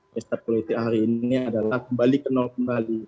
pesta politik hari ini adalah kembali ke nol kembali